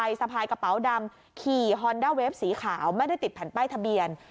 ทัวร์ไวสาภายกระเป๋าดำขี่ฮอนด้าเวฟสีขาวไม่ได้ติดผันใบทะเบียน